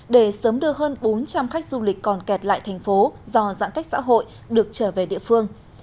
để sớm đưa hơn bốn trăm linh khách du lịch còn kẹt lại thành phố do giãn cách xã hội được trở về địa phương